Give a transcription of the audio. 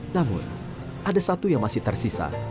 namun ada satu yang masih tersisa